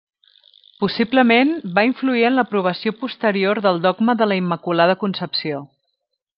Possiblement, va influir en l'aprovació posterior del dogma de la Immaculada Concepció.